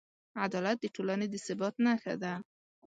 عدالت د ټولنې د ثبات نښه ده.